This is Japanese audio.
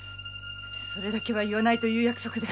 それだけは言わないという約束です。